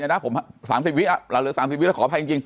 แต่อย่างนี้นะผม๓๐วิอ่ะเราเหลือ๓๐วิแล้วขออภัยจริง